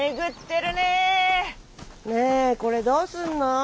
ねえこれどうすんの？